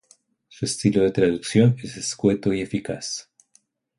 Su estilo de traducción es escueto y eficaz.